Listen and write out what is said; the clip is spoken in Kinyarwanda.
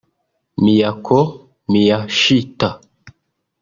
Miyako Miyashita